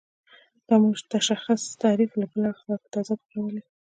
دا متشخص تعریف له بل اړخ سره په تضاد کې راولي.